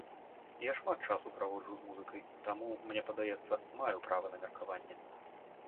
Я шмат часу праводжу з музыкай, таму, мне падаецца, маю права на меркаванне.